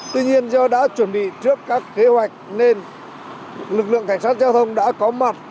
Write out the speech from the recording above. tuy nhiên do đã chuẩn bị trước các kế hoạch nên lực lượng cảnh sát giao thông đã có mặt